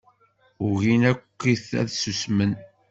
Ugin akkit ad ssusmen.